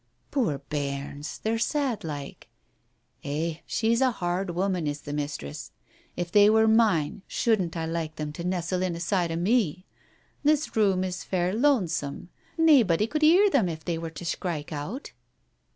" Poor bairns, they're sad like. ... Eh, she's a hard woman, is the mistress ! If they were mine, shouldn't I like them to nestle in aside o'me! This room is fair lonesome. Naebody could hear them if they were to skrike out.